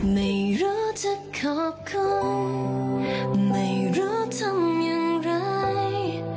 ไม่รู้จะขอบคุณไม่รู้ทำอย่างไร